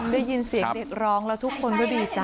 ได้ยินเสียงเด็กร้องแล้วทุกคนก็ดีใจ